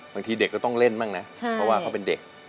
บางทีเด็กก็ต้องเล่นบ้างนะเพราะว่าเขาเป็นเด็ก